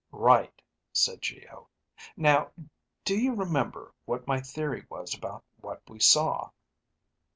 "Right," said Geo. "Now, do you remember what my theory was about what we saw?"